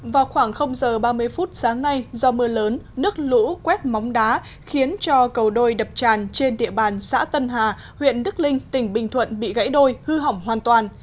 vào khoảng giờ ba mươi phút sáng nay do mưa lớn nước lũ quét móng đá khiến cho cầu đôi đập tràn trên địa bàn xã tân hà huyện đức linh tỉnh bình thuận bị gãy đôi hư hỏng hoàn toàn